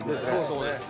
そうですね。